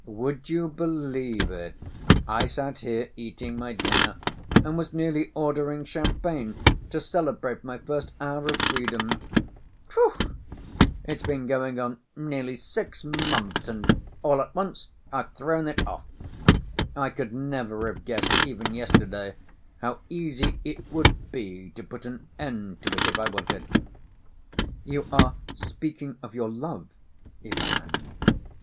Would you believe, it, I sat here eating my dinner and was nearly ordering champagne to celebrate my first hour of freedom. Tfoo! It's been going on nearly six months, and all at once I've thrown it off. I could never have guessed even yesterday, how easy it would be to put an end to it if I wanted." "You are speaking of your love, Ivan?"